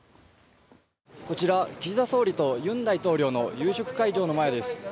こちら岸田総理と尹大統領の夕食会場の前です。